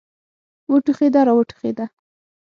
وټوخېده را وټوخېده.